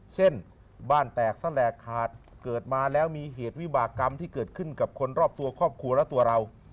เช่นบ้านแตกแสลกขาดเกิดมาแล้วมีเหตุวิบากรรมที่เกิดขึ้นกับคนรอบตัวครอบครัวครอบครัวและตัวเรา